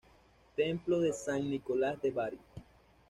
Templo de San Nicolás de Bari.